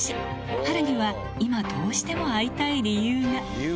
波瑠には、今、どうしても会いたい理由が。